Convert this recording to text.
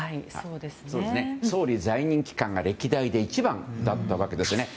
総理在任期間が歴代で一番だったわけですね。